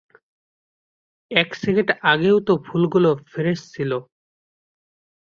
এক সেকেন্ড আগেও তো ফুলগুলো ফ্রেশ ছিল!